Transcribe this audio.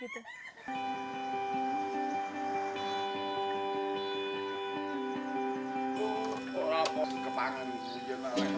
itu emang betul memang